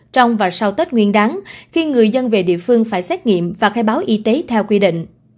trong và sau tết nguyên đáng khi người dân về địa phương phải xét nghiệm và khai báo y tế theo quy định